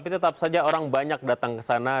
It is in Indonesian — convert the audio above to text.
tetap saja orang banyak datang kesana